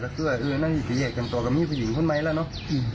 ก็คือว่านั่งหิตเกียจกันต่อกับมีผู้หญิงคุณไหมแล้วเนาะ